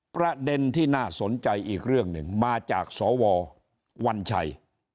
ประเด็นที่น่าสนใจอีกเรื่องหนึ่งมาจากสววัญชัย